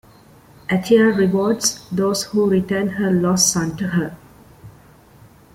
Atia rewards those who return her lost son to her.